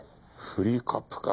フリーカップか。